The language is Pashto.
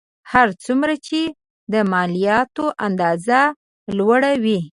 هر څومره چې د مالیاتو اندازه لوړه وي